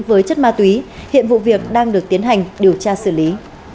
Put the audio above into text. với chất ma túy hiện vụ việc đang được tiến hành điều tra xử lý